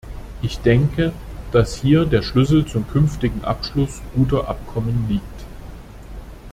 Ich denke, dass hier der Schlüssel zum künftigen Abschluss guter Abkommen liegt.